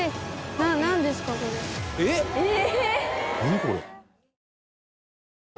えっ？ええ！